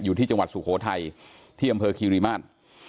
อยู่ที่จังหวัดสุโขทัยที่อำเภอคีริมาตร